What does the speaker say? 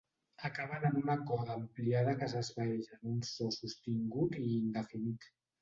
Acaben en una coda ampliada que s'esvaeix en un so sostingut i indefinit.